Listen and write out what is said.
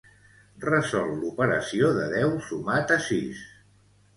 Resol l'operació de deu sumat a sis.